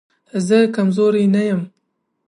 زه کمزوری نه يم